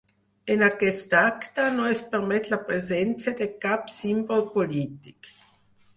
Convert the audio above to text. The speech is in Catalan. En aquest acte, no es permet la presència de cap símbol polític.